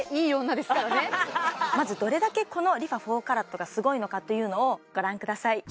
まずどれだけこのＲｅＦａ４ＣＡＲＡＴがすごいのかというのをご覧ください